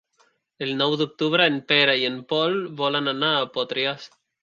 El nou d'octubre en Pere i en Pol volen anar a Potries.